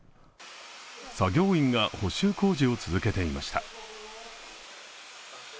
作業員が補修工事を続けていました。